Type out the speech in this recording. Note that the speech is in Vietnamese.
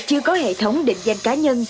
chưa có hệ thống định danh cá nhân